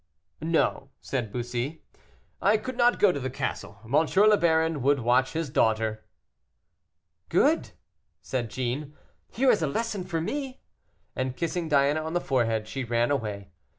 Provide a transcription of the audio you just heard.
"No," said Bussy, "I could not go to the castle; M. le Baron would watch his daughter." "Good!" said Jeanne, "here is a lesson for me," and kissing Diana on the forehead, she ran away.